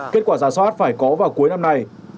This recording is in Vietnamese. kết quả giả soát phải có vào cuối năm nay